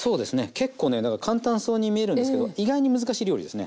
結構ねだから簡単そうに見えるんですけど意外に難しい料理ですね。